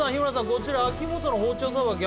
こちら秋元の包丁さばき